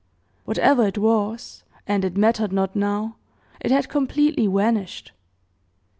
Whatever it was, and it mattered not now, it had completely vanished.